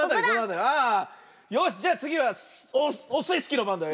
よしじゃあつぎはオスイスキーのばんだよ。